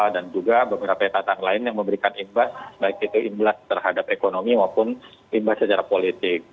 dan juga beberapa etatan lain yang memberikan imbas baik itu imbas terhadap ekonomi maupun imbas secara politik